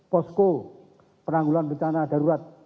posko peranggulan bencana darurat